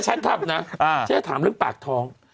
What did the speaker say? ฉันทำนะฉันทำนึกปากทอง